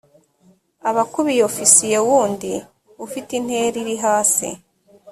aba akuriye ofisiye wundi ufite intera iri hasi